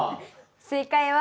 正解は